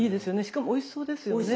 しかもおいしそうですよね。